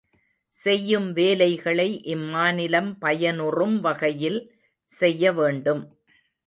செய்யும் வேலைகளை இம்மாநிலம் பயனுறும் வகையில் செய்ய வேண்டும்.